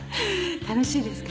楽しいですか？